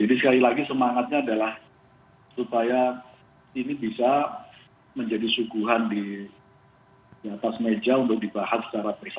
jadi sekali lagi semangatnya adalah supaya ini bisa menjadi suguhan diatas meja untuk dibahas secara bersama sama